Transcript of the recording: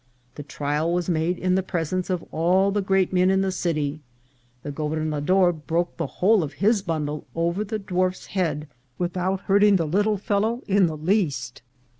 The trial was made in the presence of all the great men in the city. The gober nador broke the whole of his bundle over the dwarfs head without hurting the little fellow in the least.